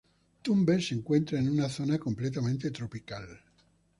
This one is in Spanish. Tumbes se encuentra en una zona completamente tropical.